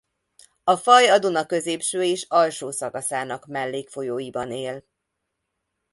A faj a Duna középső és alsó szakaszának mellékfolyóiban él.